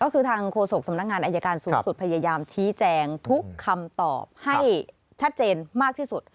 ก็คือทางโฆษกสำนักงานอายการสูงสุดพยายามชี้แจงทุกคำตอบให้ชัดเจนมากที่สุด